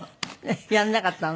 やらなかったの？